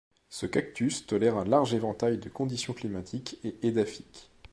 Ce cactus tolère un large éventail de conditions climatiques et édaphiques.